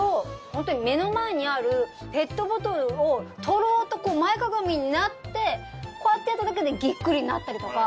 本当に目の前にあるペットボトルを取ろうと前屈みになってこうやってやっただけでぎっくりになったりとか。